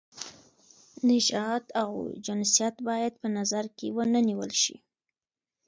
نژاد او جنسیت باید په نظر کې ونه نیول شي.